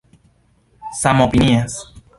samopinias